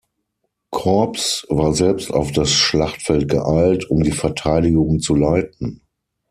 Korps, war selbst auf das Schlachtfeld geeilt, um die Verteidigung zu leiten.